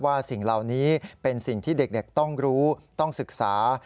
สิ่งเหล่านี้เป็นสิ่งที่เด็กต้องรู้ต้องศึกษา